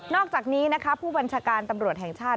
อกจากนี้นะคะผู้บัญชาการตำรวจแห่งชาติ